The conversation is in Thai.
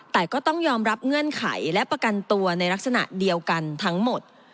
แต่ก็ต้องยอมรับเงื่อนไขและประกันตัวในลักษณะเดียวกันทั้งหมด